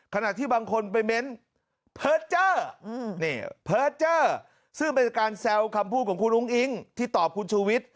ขณะที่บางคนไปเม้นเผิดเจอร์ซึ่งเป็นการแซวคำพูดของคุณอุ้งอิงที่ตอบคุณชูวิต